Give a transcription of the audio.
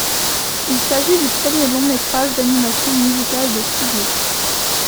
Il s'agit du premier long métrage d'animation musical des studios.